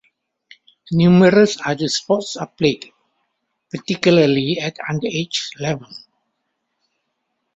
Numerous other sports are played, particularly at under-age level.